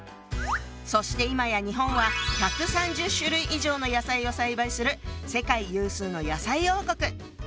そしていまや日本は１３０種類以上の野菜を栽培する世界有数の野菜王国！